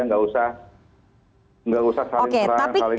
tidak usah saling perang saling lain lain